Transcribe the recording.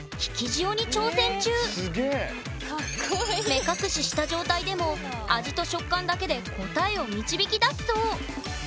目隠しした状態でも味と食感だけで答えを導き出すそう！